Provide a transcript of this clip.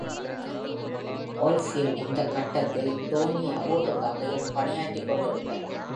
Oldfield, இந்தக் கட்டத்தில், டோனி அபோட்டுக்காக இன்னும் பணியாற்றிக்கொண்டிருந்தார்.